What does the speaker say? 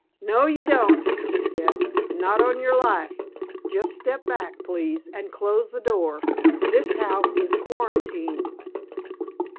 "No, you don't," he said. "Not on your life. Just step back, please, and close the door. This house is quarantined."